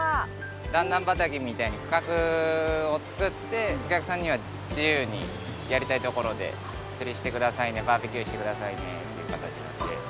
段々畑みたいに区画を作ってお客さんには自由にやりたい所で釣りしてくださいねバーベキューしてくださいねっていう形なので。